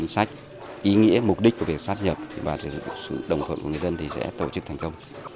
sách ý nghĩa mục đích của việc sắp nhập và sự đồng thuận của người dân thì sẽ tổ chức thành công